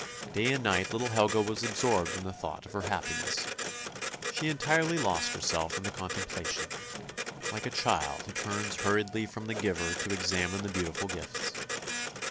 Day and night little Helga was absorbed in the thought of her happiness ; she entirely lost herself in the contemplation of it, like a child who turns hurriedly from the giver to examine the beautiful gifts.